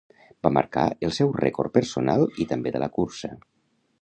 Va marcar el seu rècord personal i també de la cursa.